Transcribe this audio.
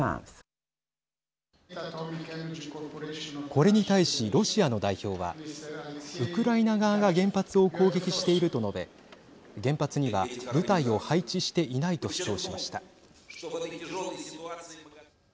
これに対しロシアの代表はウクライナ側が原発を攻撃していると述べ原発には部隊を配置していないと主張しました。